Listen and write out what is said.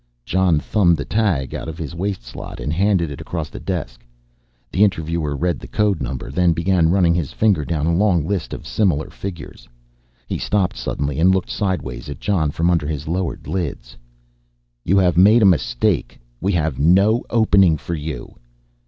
Jon thumbed the tag out of his waist slot and handed it across the desk. The interviewer read the code number, then began running his finger down a long list of similar figures. He stopped suddenly and looked sideways at Jon from under his lowered lids. "You have made a mistake, we have no opening for you."